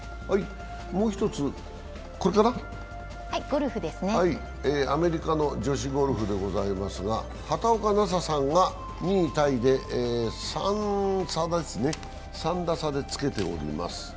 もう一つ、アメリカの女子ゴルフでございますが畑岡奈紗さんが２位タイで３打差でつけております。